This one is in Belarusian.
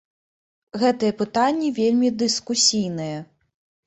Гэтае пытанне вельмі дыскусійнае.